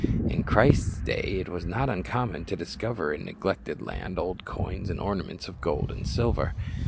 In Christ's day it was not uncommon to discover in neglected land old coins and ornaments of gold and silver.